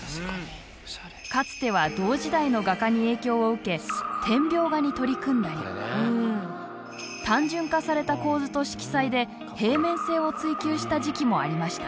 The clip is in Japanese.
かつては同時代の画家に影響を受け点描画に取り組んだり単純化された構図と色彩で平面性を追求した時期もありました。